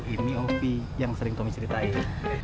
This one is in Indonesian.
ini opi yang sering tommy ceritain